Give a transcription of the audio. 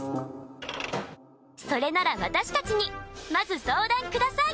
それなら私たちにまず相談ください。